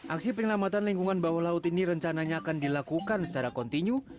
aksi penyelamatan lingkungan bawah laut ini rencananya akan dilakukan secara kontinu